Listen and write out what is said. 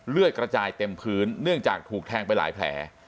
เลือดกระจายเต็มพื้นเนื่องจากถูกแทงไปหลายแผล